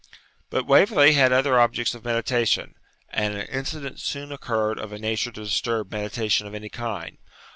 But Waverley had other objects of meditation, and an incident soon occurred of a nature to disturb meditation of any kind.